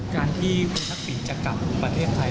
การที่คุณทักษิณจะกลับถึงประเทศไทย